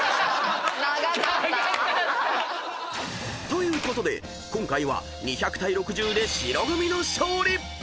［ということで今回は２００対６０で白組の勝利！］